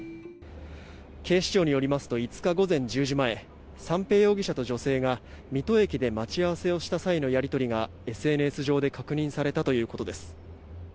警視庁によりますと５日、午前１０時前三瓶容疑者と女性が水戸駅で待ち合わせをした際のやり取りがＳＮＳ上で確認されたということです。